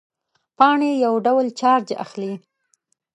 پاڼې یو ډول چارج اخلي.